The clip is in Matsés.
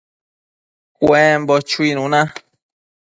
cuembo chuinuna